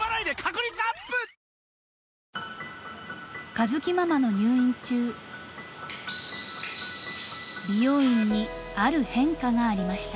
［佳月ママの入院中美容院にある変化がありました］